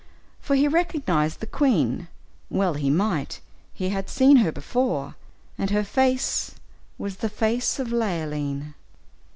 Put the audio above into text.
For he recognized the queen well he might! he had seen her before, and her face was the face of Leoline!